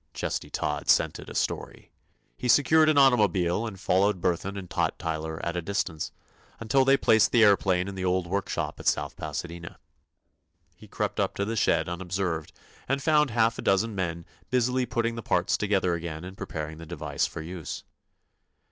Chesty Todd scented a story. He secured an automobile and followed Burthon and Tot Tyler at a distance, until they placed the aëroplane in the old workshop at South Pasadena. He crept up to the shed unobserved and found half a dozen men busily putting the parts together again and preparing the device for use.